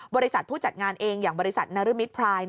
บริษัทผู้จัดงานเองอย่างบริษัทนรมิตรพราย